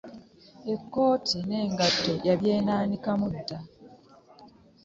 Ekkooti n'engatto yabyejwalikamu dda.